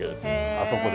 あそこで。